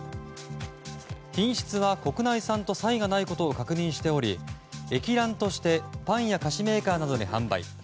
品質は国内産と差異がないことを確認しており液卵としてパンや菓子メーカーなどに販売。